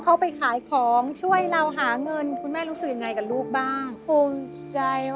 เพราะว่าหลายคนนะ